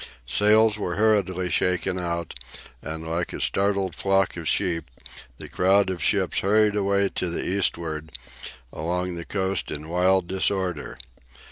Sails were hurriedly shaken out, and like a startled flock of sheep the crowd of ships hurried away to the eastward along the coast in wild disorder.